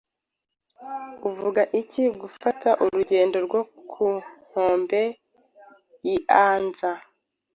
Uvuga iki gufata urugendo rwo ku nkombe y'ianja?